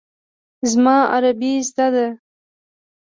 زما عربي زده ده.